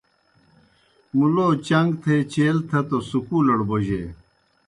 مُلو چݩگ تھے چیل تھہ توْ سکولڑ بوجیئے۔